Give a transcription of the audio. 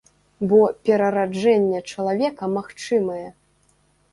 Бо перараджэнне чалавека магчымае.